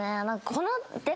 この。